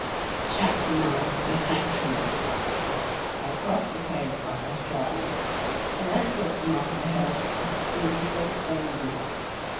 CHAPTER IX—THE SANCTUARY I crossed the plain of Esdraelon and entered amongst the hills of beautiful Galilee.